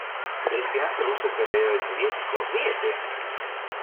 El espionaje ruso es heredero del soviético; ¡ríete!